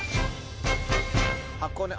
箱根